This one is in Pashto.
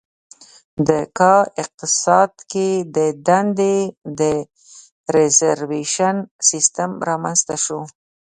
د کا اقتصاد کې د دندې د ریزروېشن سیستم رامنځته شو.